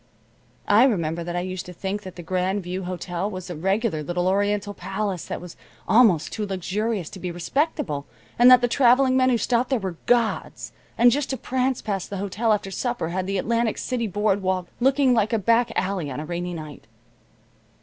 I remember that I used to think that the Grand View Hotel was a regular little oriental palace that was almost too luxurious to be respectable, and that the traveling men who stopped there were gods, and just to prance past the hotel after supper had the Atlantic City board walk looking like a back alley on a rainy night.